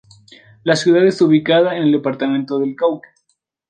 La ciudad está ubicada en el departamento del Cauca.